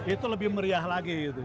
itu lebih meriah lagi